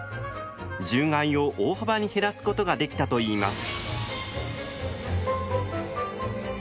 獣害を大幅に減らすことができたといいます。